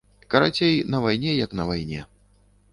Карацей, на вайне як на вайне.